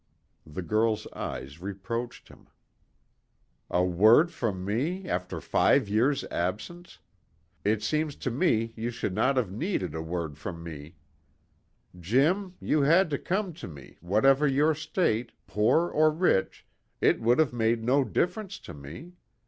The girl's eyes reproached him. "A word from me, after five years' absence? It seems to me you should not have needed a word from me. Jim, had you come to me, whatever your state, poor or rich, it would have made no difference to me.